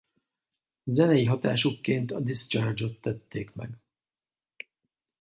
Zenei hatásukként a Discharge-ot tették meg.